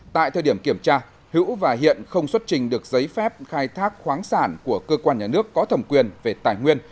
tại thời điểm kiểm tra hiễu và hiện không xuất trình được giấy phép khai thác khoáng sản của cơ quan nhà nước có thẩm quyền về tài nguyên